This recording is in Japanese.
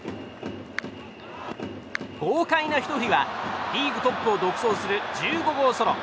豪快なひと振りはリーグトップを独走する１５号ソロ。